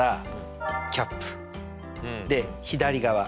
で左側。